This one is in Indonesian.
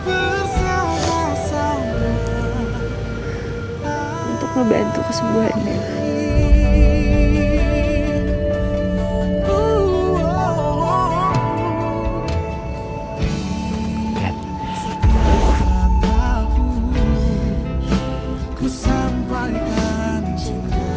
untuk membantu kesemua ini